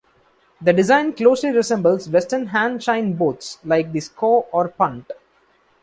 The design closely resembles Western hard chine boats like the scow or punt.